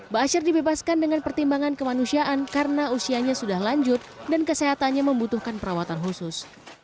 ba'asyir dibebaskan dengan pertimbangan kemanusiaan karena usianya sudah lanjut dan kesehatannya membutuhkan perawatan khusus